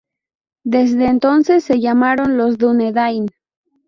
Desde entonces se llamaron los dúnedain.